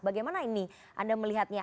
bagaimana ini anda melihatnya